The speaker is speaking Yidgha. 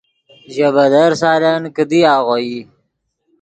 ژے بدر سالن کیدی آغوئی